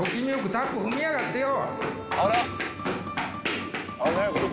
タップ踏みやがってよ。